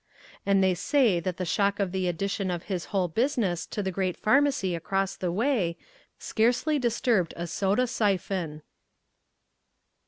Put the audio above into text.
And they say that the shock of the addition of his whole business to the great Pharmacy across the way scarcely disturbed a soda siphon.